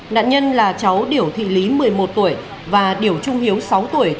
nạn nhân là cháu điểu thị lý một mươi một tuổi và điểu trung hiếu sáu tuổi